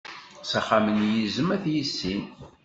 S axxam n yizem ad t-yissin.